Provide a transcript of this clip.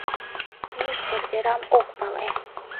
Мӱшкыр верам ок пале.